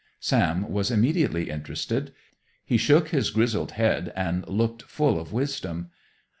Sam was immediately interested. He shook his grizzled head and looked full of wisdom.